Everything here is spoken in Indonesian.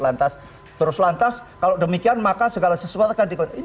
lantas terus lantas kalau demikian maka segala sesuatu akan dipenuhi